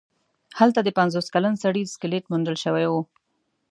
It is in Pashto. هلته د پنځوس کلن سړي سکلیټ موندل شوی و.